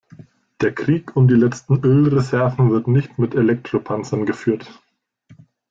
Der Krieg um die letzten Ölreserven wird nicht mit Elektropanzern geführt.